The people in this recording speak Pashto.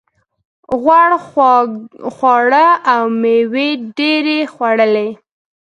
غوړ خواړه او مېوې یې ډېرې خوړلې.